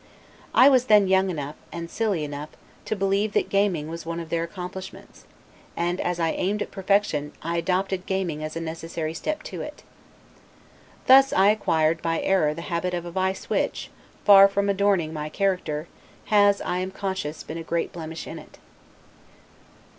I was then young enough, and silly enough, to believe that gaming was one of their accomplishments; and, as I aimed at perfection, I adopted gaming as a necessary step to it. Thus I acquired by error the habit of a vice which, far from adorning my character, has, I am conscious, been a great blemish in it.